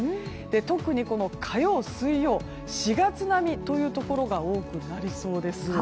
特に火曜、水曜４月並みというところが多くなりそうです。